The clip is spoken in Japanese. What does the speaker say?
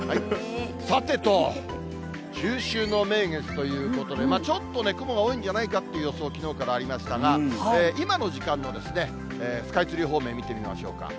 さてと、中秋の名月ということで、ちょっとね、雲が多いんじゃないかって予想、きのうからありましたが、今の時間のスカイツリー方面見てみましょうか。